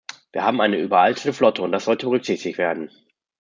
Wir haben eine überalterte Flotte, und das sollte berücksichtigt werden.